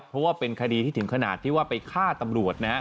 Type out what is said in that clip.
เพราะว่าเป็นคดีที่ถึงขนาดที่ว่าไปฆ่าตำรวจนะครับ